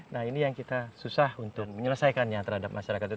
nah ini yang kita susah untuk menyelesaikannya terhadap masyarakat itu